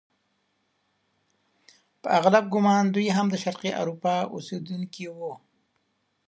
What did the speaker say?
په اغلب ګومان دوی هم د شرقي اروپا اوسیدونکي وو.